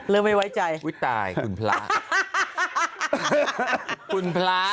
เรามีภาคระกรอบด้วย